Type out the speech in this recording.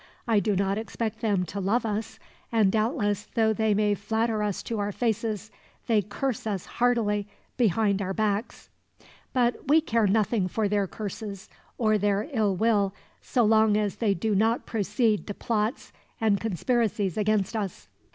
I do not expect them to love us, and doubtless though they may flatter us to our faces, they curse us heartily behind our backs. But we care nothing for their curses, or for their ill will, so long as they do not proceed to plots and conspiracies against us.